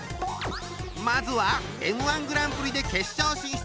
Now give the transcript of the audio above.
まずはＭ−１グランプリで決勝進出。